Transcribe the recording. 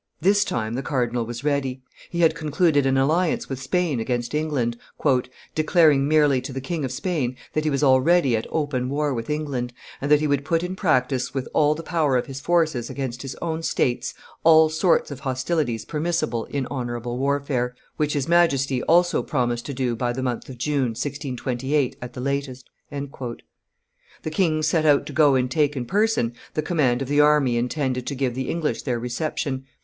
This time the cardinal was ready; he had concluded an alliance with Spain against England, "declaring merely to the King of Spain that he was already at open war with England, and that he would put in practice with all the power of his forces against his own states all sorts of hostilities permissible in honorable warfare, which his Majesty also promised to do by the month of June, 1628, at the latest." The king set out to go and take in person the command of the army intended to give the English their reception.